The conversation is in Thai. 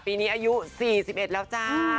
ปีนี้อายุ๔๑แล้วจ้า